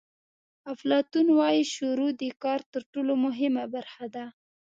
افلاطون وایي شروع د کار تر ټولو مهمه برخه ده.